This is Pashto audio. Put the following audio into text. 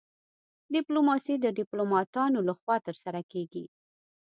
ډیپلوماسي د ډیپلوماتانو لخوا ترسره کیږي